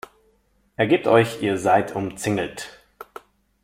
Ergebt euch, ihr seid umzingelt!